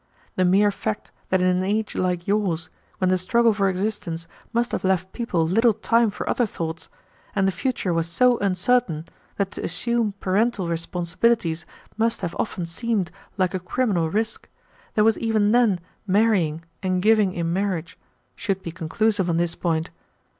The mere fact that in an age like yours, when the struggle for existence must have left people little time for other thoughts, and the future was so uncertain that to assume parental responsibilities must have often seemed like a criminal risk, there was even then marrying and giving in marriage, should be conclusive on this point.